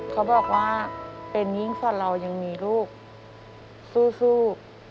เขาบอกว่าเป็นยิ่งกว่าเรายังมีลูกสู้